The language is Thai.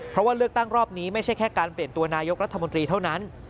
เพราะว่าเลือกตั้งรอบนี้ไม่ใช่แค่การเปลี่ยนตัวนายกรัฐมนตรีเท่านั้น